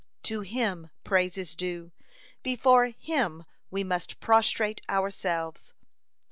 To Him praise is due, before Him we must prostrate ourselves."